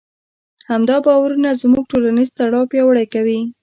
همدا باورونه زموږ ټولنیز تړاو پیاوړی کوي.